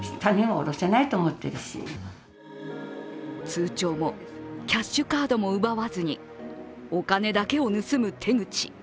通帳もキャッシュカードも奪わずに、お金だけを盗む手口。